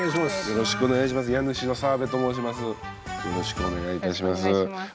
よろしくお願いします。